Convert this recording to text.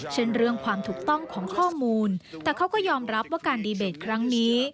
เพราะยอมรับว่าการดีเบตรครั้งนี้